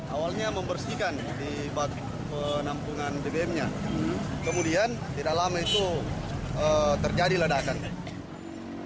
awalnya membersihkan di penampungan bbm nya kemudian di dalam itu terjadi ledakan